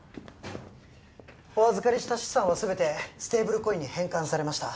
お預かりした資産は全てステーブルコインに変換されました